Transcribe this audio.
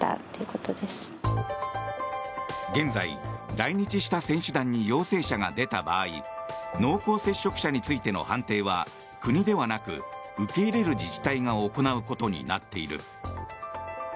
現在、来日した選手団に陽性者が出た場合濃厚接触者についての判定は国ではなく受け入れる自治体が行うことになっている。